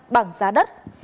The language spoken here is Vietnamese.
năm mươi bằng giá đất